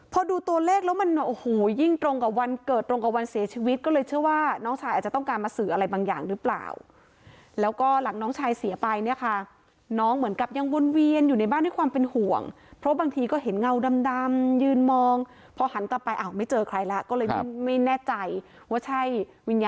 พอดูตัวเลขแล้วมันโอ้โหยิ่งตรงกับวันเกิดตรงกับวันเสียชีวิตก็เลยเชื่อว่าน้องชายอาจจะต้องการมาสื่ออะไรบางอย่างหรือเปล่าแล้วก็หลังน้องชายเสียไปเนี่ยค่ะน้องเหมือนกับยังวนเวียนอยู่ในบ้านด้วยความเป็นห่วงเพราะบางทีก็เห็นเงาดำยืนมองพอหันกลับไปอ้าวไม่เจอใครแล้วก็เลยยิ่งไม่แน่ใจว่าใช่วิญญา